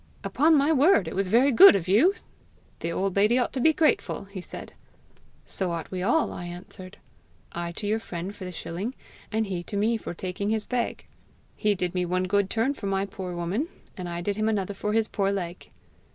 'Upon my word, it was very good of you! The old lady ought to be grateful!' he said. 'So ought we all,' I answered, ' I to your friend for the shilling, and he to me for taking his bag. He did me one good turn for my poor woman, and I did him another for his poor leg!'